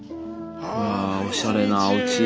わあおしゃれなおうち。